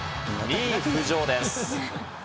２位浮上です。